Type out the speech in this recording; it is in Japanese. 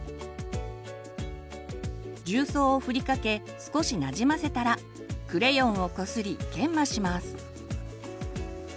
重曹をふりかけ少しなじませたらクレヨンをこすり研磨します。